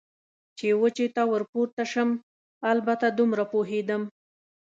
چې وچې ته ور پورته شم، البته دومره پوهېدم.